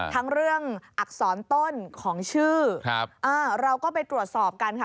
ทั้งเรื่องอักษรต้นของชื่อเราก็ไปตรวจสอบกันค่ะ